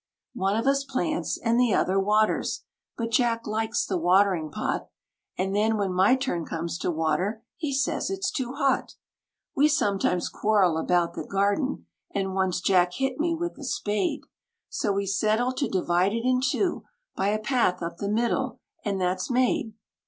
One of us plants, and the other waters, but Jack likes the watering pot; And then when my turn comes to water he says it's too hot! We sometimes quarrel about the garden, and once Jack hit me with the spade; So we settled to divide it in two by a path up the middle, and that's made.